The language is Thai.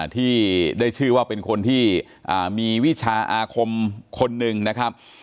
ที่ได้ชื่อว่าเป็นคนที่มีวิชาอาคมคนหนึ่งนะครับ